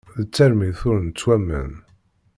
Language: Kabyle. D tarmit ur nettwaman.